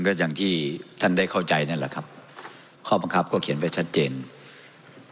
เพราะมันก็มีเท่านี้นะเพราะมันก็มีเท่านี้นะ